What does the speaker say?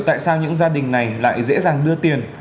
tại sao những gia đình này lại dễ dàng đưa tiền